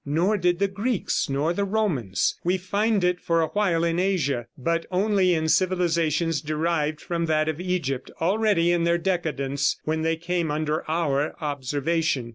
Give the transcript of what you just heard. Nor did the Greeks, nor the Romans. We find it for a while in Asia, but only in civilizations derived from that of Egypt, already in their decadence when they come under our observation.